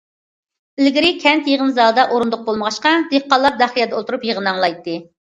ئىلگىرى كەنت يىغىن زالىدا ئورۇندۇق بولمىغاچقا، دېھقانلار داق يەردە ئولتۇرۇپ يىغىن ئاڭلايتتى.